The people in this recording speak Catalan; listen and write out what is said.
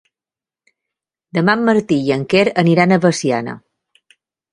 Demà en Martí i en Quer aniran a Veciana.